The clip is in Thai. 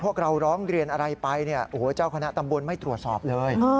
พวกเราร้องเรียนอะไรไปเจ้าคณะตำบลไม่ตรวจสอบเลย